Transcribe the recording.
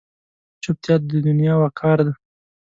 چوپتیا، د دنیا وقار دی.